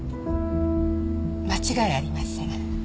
間違いありません。